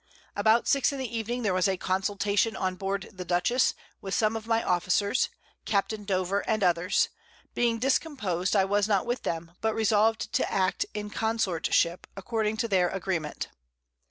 About 6 in the Evening there was a Consultation on board the Dutchess, with some of my Officers, Capt. Dover and others; being discompos'd I was not with them, but resolved to act in consortship, according to their Agreement.